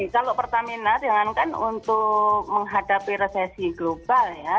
kalau pertamina dengan kan untuk menghadapi resesi global ya